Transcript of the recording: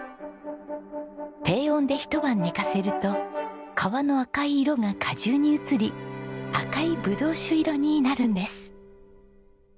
低温で一晩寝かせると皮の赤い色が果汁に移り赤いブドウ酒色になるんです。